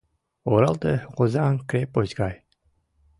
Оралте — Озаҥ крепость гай.